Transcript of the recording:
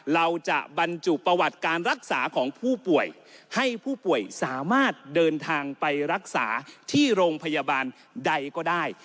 เราจะบรรจุประวัติการรักษาของผู้ป่วยให้ผู้ป่วยสามารถเดินทางไปรักษาที่โรงพยาบาลใดก็ได้